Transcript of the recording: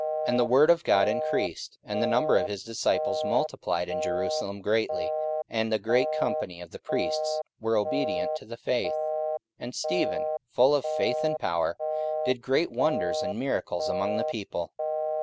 44:006:007 And the word of God increased; and the number of the disciples multiplied in Jerusalem greatly; and a great company of the priests were obedient to the faith. 44:006:008 And Stephen, full of faith and power, did great wonders and miracles among the people.